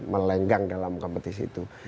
melenggang dalam kompetisi itu